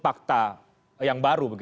fakta yang baru